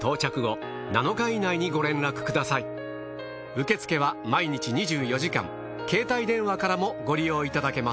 受付は毎日２４時間携帯電話からもご利用いただけます。